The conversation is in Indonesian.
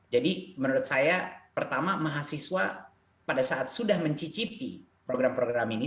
jadi menurut saya pertama mahasiswa pada saat sudah mencicipi program program ini